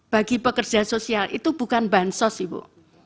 bagi pekerja sosial itu bukan bansos ibu